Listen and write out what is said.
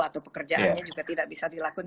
atau pekerjaannya juga tidak bisa dilakukan